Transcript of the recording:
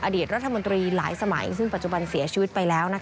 อดีตรัฐมนตรีหลายสมัยซึ่งปัจจุบันเสียชีวิตไปแล้ว